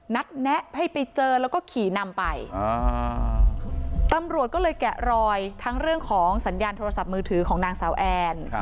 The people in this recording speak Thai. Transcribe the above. แนะให้ไปเจอแล้วก็ขี่นำไปตำรวจก็เลยแกะรอยทั้งเรื่องของสัญญาณโทรศัพท์มือถือของนางสาวแอน